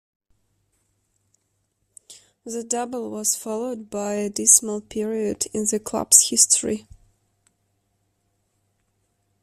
The Double was followed by a dismal period in the club's history.